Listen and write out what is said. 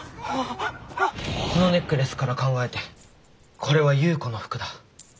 このネックレスから考えてこれは夕子の服だ。